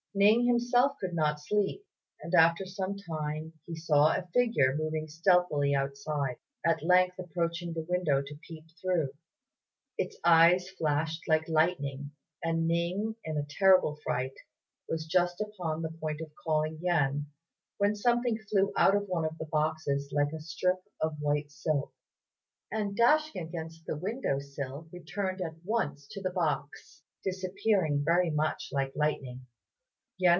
Ning himself could not sleep; and after some time he saw a figure moving stealthily outside, at length approaching the window to peep through. It's eyes flashed like lightning, and Ning in a terrible fright was just upon the point of calling Yen, when something flew out of one of the boxes like a strip of white silk, and dashing against the window sill returned at once to the box, disappearing very much like lightning.